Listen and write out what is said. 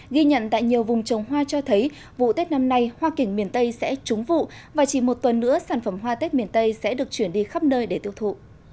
ghi nhận tại nhiều vùng trồng hoa cho thấy vụ tết năm nay hoa kiển miền tây sẽ trúng vụ và chỉ một tuần nữa sản phẩm hoa tết miền tây sẽ được chuyển đi khắp nơi để tiêu thụ